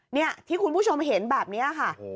เนี่ยที่คุณผู้ชมเห็นแบบนี้ค่ะ